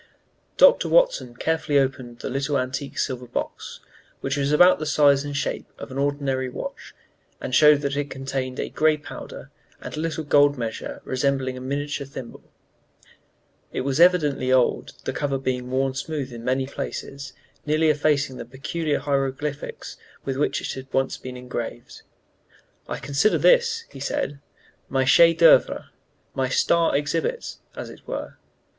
Dr. Watson carefully opened the little antique silver box, which was about the size and shape of an ordinary watch, and showed that it contained a gray powder and a little gold measure resembling a miniature thimble. It was evidently very old, the cover being worn smooth in many places, nearly effacing the peculiar hieroglyphics with which it had once been engraved. "I consider this," he said, "my chef d'œuvre, my 'star exhibit,' as it were.